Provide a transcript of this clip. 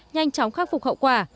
nhanh chóng khắc phục hậu quả